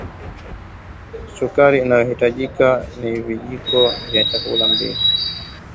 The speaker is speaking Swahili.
Sukari inayohitajika nivijiko vya chakula mbili